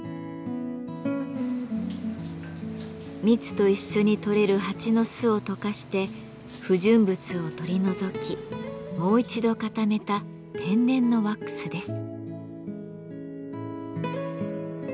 蜜と一緒に採れる蜂の巣を溶かして不純物を取り除きもう一度固めた「天然のワックス」です。